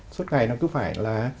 suốt ngày nó cứ phải là